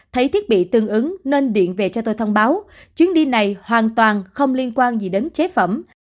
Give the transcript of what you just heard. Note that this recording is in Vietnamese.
thấy thiết bị tương ứng nên điện về cho tôi thông báo chuyến đi này hoàn toàn không liên quan gì đến chế phẩm